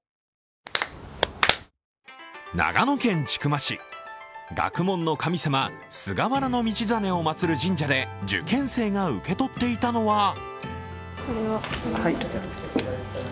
長野県千曲市、学問の神様菅原道真を祭る神社で受験生が受け取っていたのは